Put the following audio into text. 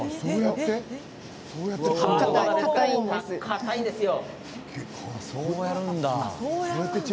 結構、かたいんですよ。